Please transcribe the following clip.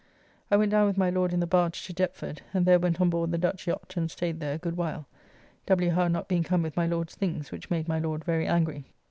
I went down with my Lord in the barge to Deptford, and there went on board the Dutch yacht and staid there a good while, W. Howe not being come with my Lord's things, which made my Lord very angry.